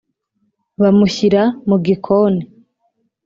bamushyira mu gikoni